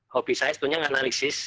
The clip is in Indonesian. hobi saya sebetulnya menganalisis